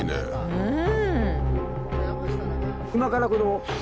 うん！